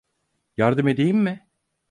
Yardım edeyim mi?